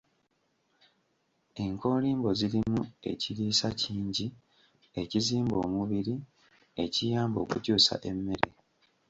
Enkoolimbo zirimu ekiriisa kingi ekizimba omubiri, ekiyamba okukyusa emmere